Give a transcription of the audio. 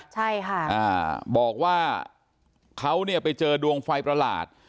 ใช่ค่ะอ่าบอกว่าเขาเนี่ยไปเจอดวงไฟประหลาด